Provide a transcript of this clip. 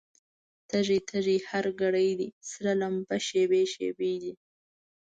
تږی، تږی هر ګړی دی، سره لمبه شېبې شېبې دي